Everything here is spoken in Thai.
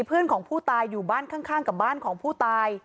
เพื่อนของผู้ตายอยู่บ้านข้างกับบ้านของผู้ตาย